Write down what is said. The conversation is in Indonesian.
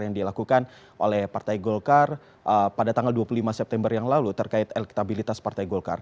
yang dilakukan oleh partai golkar pada tanggal dua puluh lima september yang lalu terkait elektabilitas partai golkar